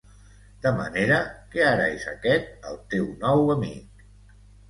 De manera que ara és aquest el teu nou amic!